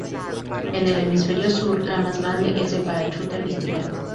En el hemisferio sur, la más grande es de Parachute Festival.